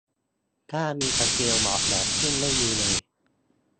ถ้ามีสกิลออกแบบ ซึ่งไม่มีเลย